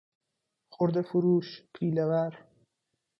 خردهفروش، پیلهور